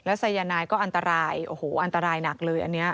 แล้วไซยานายก็อันตรายอันตรายหนักเลยอันนี้